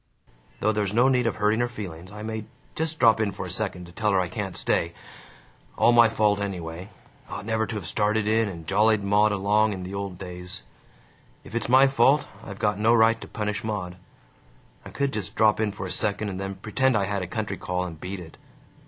Though there's no need of hurting her feelings. I may just drop in for a second, to tell her I can't stay. All my fault anyway; ought never to have started in and jollied Maud along in the old days. If it's my fault, I've got no right to punish Maud. I could just drop in for a second and then pretend I had a country call and beat it.